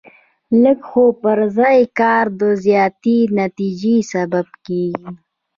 لږ خو پر ځای کار د زیاتې نتیجې سبب کېږي.